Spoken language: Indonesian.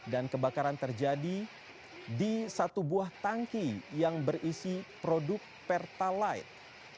dan kebakaran terjadi di satu buah tangki yang berisi produk pertalite